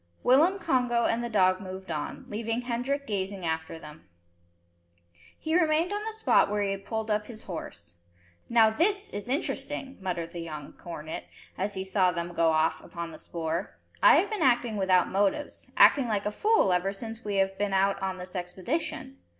Willem, Congo, and the dog moved on, leaving Hendrik gazing after them. He remained on the spot where he had pulled up his horse. "Now this is interesting," muttered the young cornet, as he saw them go off upon the spoor. "I have been acting without motives, acting like a fool ever since we have been out on this expedition.